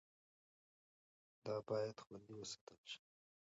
دا باید خوندي وساتل شي.